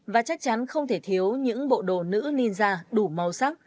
và chắc chắn không thể thiếu những bộ đồ nữ ninja đủ màu sắc